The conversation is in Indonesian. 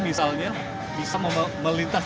misalnya bisa melintas